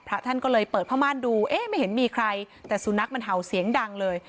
พระท่านก็เลยเปิดผ้าม่านดูเอ๊ะไม่เห็นมีใครแต่สุนัขมันเห่าเสียงดังเลย